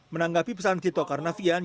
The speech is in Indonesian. menanggapi pesan tito karnavian